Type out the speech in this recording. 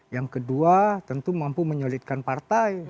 yang kedua tentu mampu menyulitkan partai